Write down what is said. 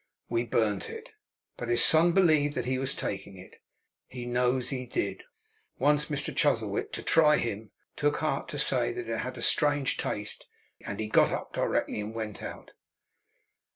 We burnt it; but his son believed that he was taking it he knows he did. Once Mr Chuzzlewit, to try him, took heart to say it had a strange taste; and he got up directly, and went out.